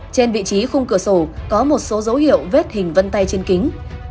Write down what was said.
trên vị trí khung cửa sổ có một số dấu hiệu vết hình vân tay trên kính